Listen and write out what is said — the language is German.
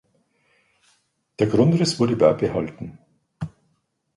Der Grundriss wurde beibehalten.